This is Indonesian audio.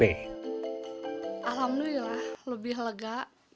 alhamdulillah lebih lega